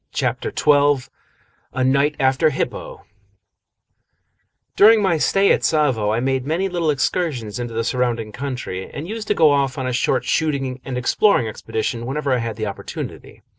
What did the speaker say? CHAPTER XII A NIGHT AFTER HIPPO During my stay at Tsavo I made many little excursions into the surrounding country, and used to go off on a short shooting and exploring expedition whenever I had the opportunity.